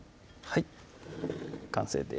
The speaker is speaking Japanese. はい